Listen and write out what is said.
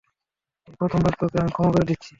এই প্রথমবার তোকে আমি ক্ষমা করে দিচ্ছি।